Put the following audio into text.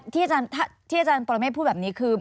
อาจารย์ปรเมฆพูดแบบนี้คือ